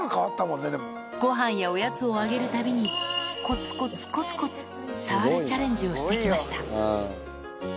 ごはんやおやつをあげるたびに、こつこつこつこつ触るチャレンジをしてきました。